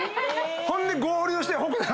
ほんで合流して。